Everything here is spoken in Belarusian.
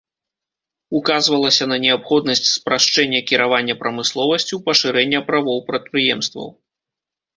Указвалася на неабходнасць спрашчэння кіравання прамысловасцю, пашырэння правоў прадпрыемстваў.